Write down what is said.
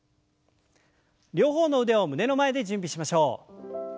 両方の腕を胸の前で準備しましょう。